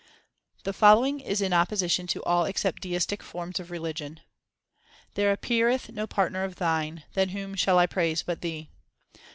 330 THE SIKH RELIGION The following is in opposition to all except deistic forms of religion : There appeareth no partner of Thine ; then whom shall I praise but Thee